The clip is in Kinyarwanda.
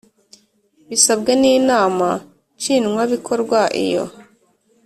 Bisabwe n inama nshinwabikorwa iyo